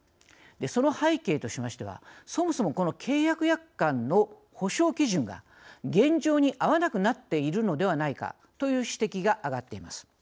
その背景としましては、そもそもこの契約約款の補償基準が現状に合わなくなっているのではないかという指摘が上がっています。